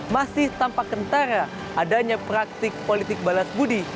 masih tampak kentara adanya praktik politik balas budi